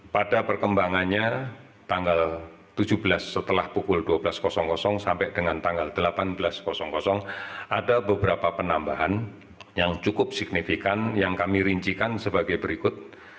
pada perkembangannya tanggal tujuh belas setelah pukul dua belas sampai dengan tanggal delapan belas ada beberapa penambahan yang cukup signifikan yang kami rincikan sebagai berikut